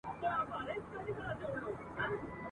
یخ یې ووتی له زړه او له بدنه !.